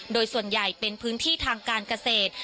โดยส่วนใหญ่เป็นพื้นที่ทางการเกษตร